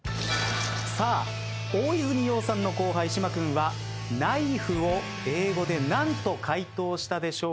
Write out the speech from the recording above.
さあ大泉洋さんの後輩島君はナイフを英語で何と解答したでしょうか？